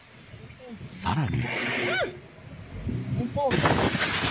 さらに。